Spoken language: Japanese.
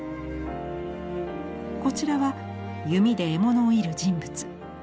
こちらは弓で獲物を射る人物。